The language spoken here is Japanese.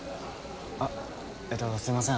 あっえっとすみません